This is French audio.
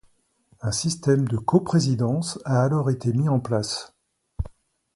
Un système de coprésidence a alors été mis en place.